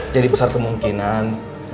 jadi besar kemungkinan